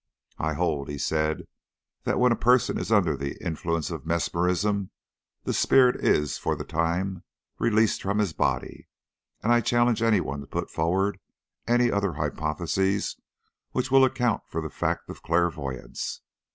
"I hold," he said, "that when a person is under the influence of mesmerism, his spirit is for the time released from his body, and I challenge any one to put forward any other hypothesis which will account for the fact of clairvoyance.